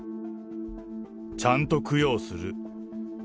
ちゃんと供養する。